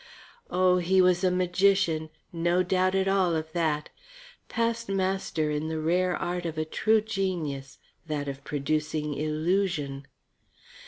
Oh, he was a magician, no doubt at all of that! Past master in the rare art of a true genius, that of producing illusion.